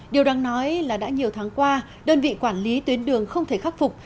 điều đáng nói là đã nhiều tháng qua đơn vị quản lý tuyến đường không thể khắc phục